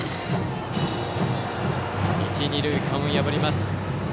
一、二塁間を破ります。